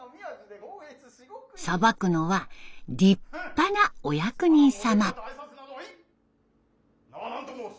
裁くのは立派なお役人様。